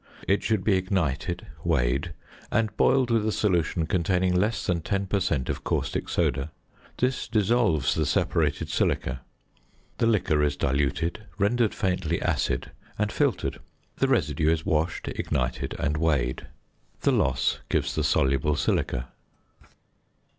It should be ignited, weighed and boiled with a solution containing less than 10 per cent. of caustic soda: this dissolves the separated silica. The liquor is diluted, rendered faintly acid, and filtered. The residue is washed, ignited and weighed. The loss gives the soluble silica.